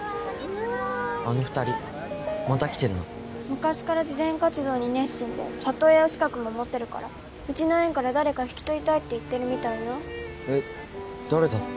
あの２人また来てるな昔から慈善活動に熱心で里親資格も持ってるからうちの園から誰か引き取りたいって言ってるみたいよえっ誰だろ？